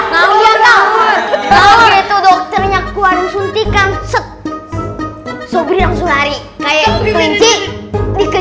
langsung lari kayak kelinci dikejar sama pengguru kebalikannya kali kebalikan